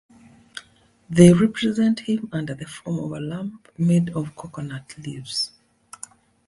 They represent him under the form of a lamp made of coconut leaves.